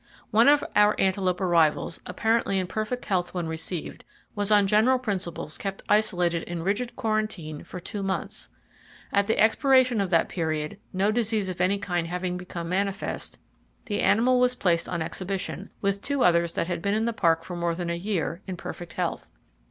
One of our antelope arrivals, apparently in perfect health when received, was on general principles kept isolated in rigid quarantine for two months. At the expiration of that period, no disease of any kind having become manifest, the animal was placed on exhibition, with two others that had been in the Park for more than a year, in perfect health.